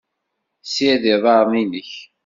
Sired iḍaren-inek.